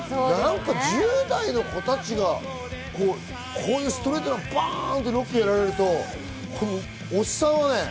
１０代の子たちがこういうストレートなバン！というロックをやられるとおっさんはね。